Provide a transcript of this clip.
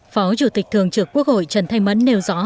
phó chủ tịch thường trực quốc hội trần thanh mẫn nêu rõ